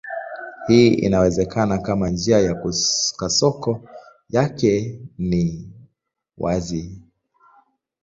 Hii inawezekana kama njia ya kasoko yake ni wazi.